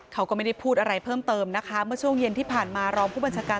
เขาก็ไม่ได้พูดอะไรเพิ่มเติมนะคะเมื่อช่วงเย็นที่ผ่านมารองผู้บัญชาการ